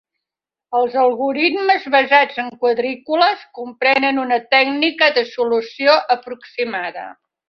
Els algoritmes basats en quadrícules comprenen una tècnica de solució aproximada.